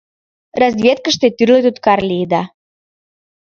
— Разведкыште тӱрлӧ туткар лиеда...